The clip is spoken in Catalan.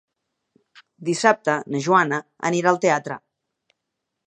Dissabte na Joana anirà al teatre.